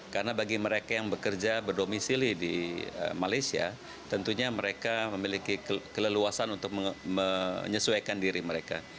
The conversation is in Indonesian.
karena bagi mereka yang bekerja berdomisili di malaysia tentunya mereka memiliki keleluasan untuk menyesuaikan diri mereka